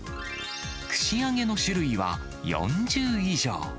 串揚げの種類は、４０以上。